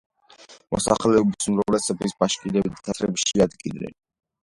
მოსახლეობის უმრავლესობას ბაშკირები და თათრები შეადგენენ.